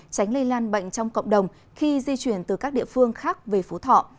tránh lây lan bệnh trong cộng đồng khi di chuyển từ các địa phương khác về phú thọ